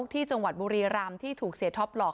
ที่จังหวัดบุรีรำที่ถูกเสียท็อปหลอก